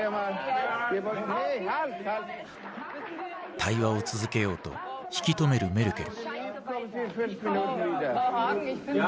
対話を続けようと引き止めるメルケル。